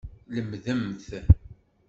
Lemdemt!